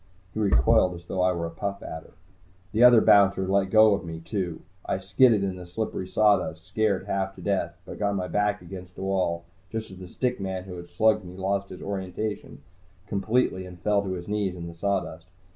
He recoiled as though I were a Puff Adder. The other bouncer let go of me, too. I skidded in the slippery sawdust, scared half to death, but got my back against a wall just as the stick man who had slugged me lost his orientation completely and fell to his knees in the sawdust.